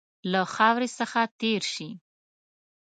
له خاوري څخه تېر شي.